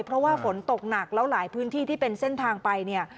เพราะว่าฝนตกหนักแล้วหลายพื้นที่ที่เป็นเส้นทางไปเนี่ย